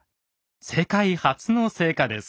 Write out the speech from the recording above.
世界初の成果です。